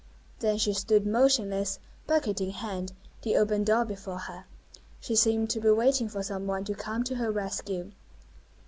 Then she stood motionless, bucket in hand, the open door before her. She seemed to be waiting for some one to come to her rescue.